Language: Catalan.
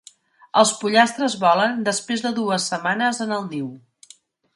Els pollastres volen després de dues setmanes en el niu.